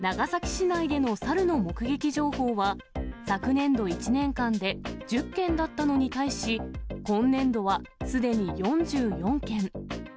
長崎市内でのサルの目撃情報は、昨年度１年間で１０件だったのに対し、今年度は、すでに４４件。